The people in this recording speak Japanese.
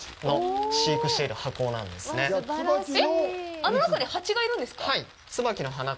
あの中にハチがいるんですか。